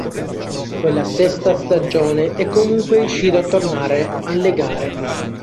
Quella stessa stagione è comunque riuscito a tornare alle gare.